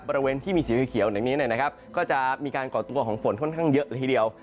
บริเวณที่มีสีเขียวอย่างนี้ก็จะมีการก่อตัวของฝนค่อนข้างเยอะละทีเดียว